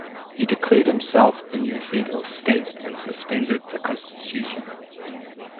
He declared himself the new head of state and suspended the constitution.